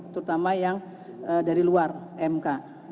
terutama yang dari luar mk